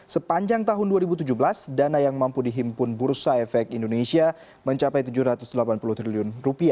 sepanjang tahun dua ribu tujuh belas dana yang mampu dihimpun bursa efek indonesia mencapai rp tujuh ratus delapan puluh triliun